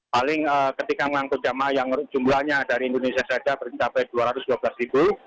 paling ketika mengangkut jemaah yang jumlahnya dari indonesia saja mencapai dua ratus dua belas ribu